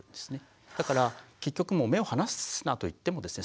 だから結局目を離すなといってもですね